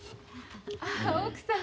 ああ奥さん